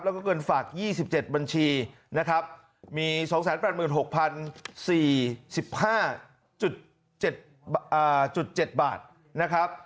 แล้วก็เงินฝาก๒๗บัญชีนะครับมี๒๘๖๐๔๕๗๗บาทนะครับ